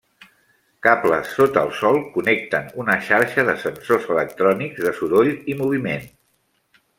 Cables sota el sòl connecten una xarxa de sensors electrònics de soroll i moviment.